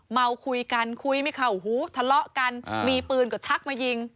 เมาคุยกันคุยไม่เข้าหูทะเลาะกันมีปืนก็ชักมายิง